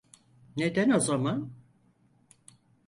Neden o zaman?